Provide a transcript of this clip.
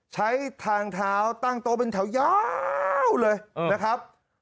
ใช้ทางเท้าตั้งโต๊ะเป็นแถวยาวเลยนะครับ